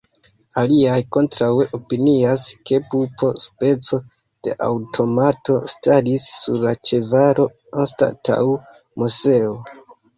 Aliaj kontraŭe opinias, ke pupo, speco de aŭtomato staris sur la ĉevalo anstataŭ Moseo.